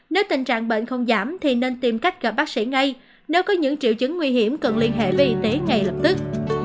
nếu tình trạng bệnh không giảm thì nên tìm cách gặp bác sĩ ngay nếu có những triệu chứng nguy hiểm cần liên hệ với y tế ngay lập tức